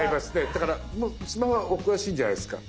だからスマホはお詳しいんじゃないですか？